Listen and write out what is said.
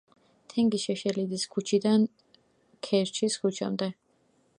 თენგიზ შეშელიძის ქუჩიდან ქერჩის ქუჩამდე.